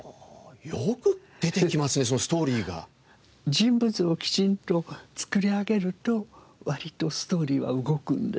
人物をきちんと作り上げると割とストーリーは動くんですね。